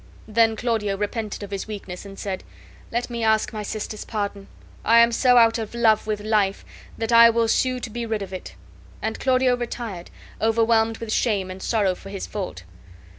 Then Claudio repented of his weakness, and said: "Let me ask my sister's pardon! I am so out of love with life that I will sue to be rid of it." And Claudio retired, overwhelmed with shame and sorrow for his fault.